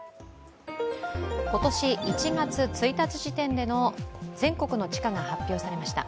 今年１月１日時点での全国の地価が発表されました。